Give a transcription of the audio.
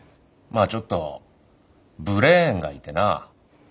まあちょっとブレーンがいてな。